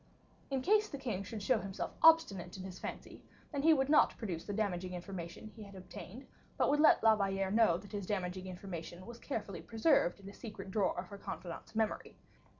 In case the king should show himself obstinate in his fancy, then he would not produce the damaging information he had obtained, but would let La Valliere know that this damaging information was carefully preserved in a secret drawer of her confidant's memory.